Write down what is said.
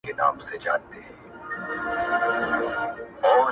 ښکاري وایې دا کم اصله دا زوی مړی-